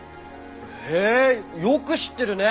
へえよく知ってるね。